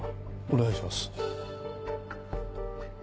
お願いします。